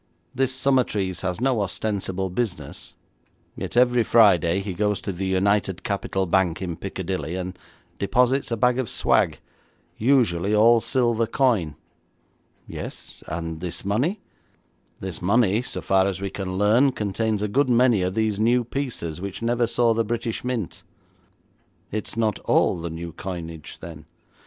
This Summertrees has no ostensible business, yet every Friday he goes to the United Capital Bank in Piccadilly, and deposits a bag of swag, usually all silver coin.' 'Yes, and this money?' 'This money, so far as we can learn, contains a good many of these new pieces which never saw the British Mint.' 'It's not all the new coinage, then?'